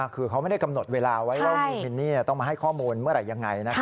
คือเขาไม่ได้กำหนดเวลาไว้ว่ามินนี่ต้องมาให้ข้อมูลเมื่อไหร่ยังไง